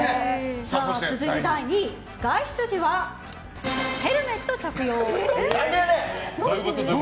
続いて第２位外出時はヘルメット着用。